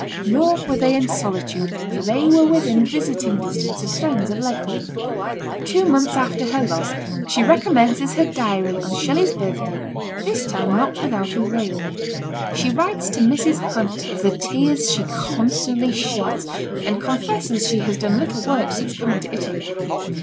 Nor were they in solitude, for they were within visiting distance of friends at Leghorn. Two months alter her loss she recommences her diary ou Shelley's birthday, this time not without a wail. She writes to Mrs. Huut of the tears she con stantly sheds, arid confesses she has done little work since coming to Italy.